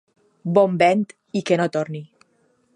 Bon vent i que no torni.